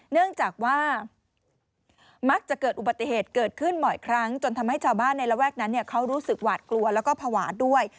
เนื่องจากว่ามักจะเกิดอุบัติเหตุเกิดขึ้นบ่อยครั้งจนทำให้ชาวบ้านในระแวกนั้นเขารู้สึกหวาดกลัวแล้วก็ภาวะด้วย